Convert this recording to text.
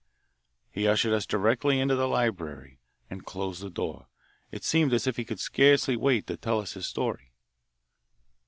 He ushered us directly into the library and closed the door. It seemed as if he could scarcely wait to tell his story.